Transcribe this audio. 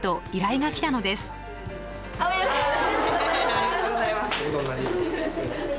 ありがとうございます。